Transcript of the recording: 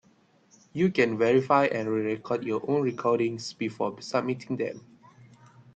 You can verify and re-record your own recordings before submitting them.